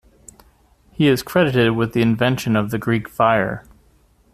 He is credited with the invention of the Greek fire.